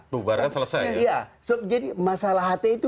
bubaran selesai iya jadi masalah hti itu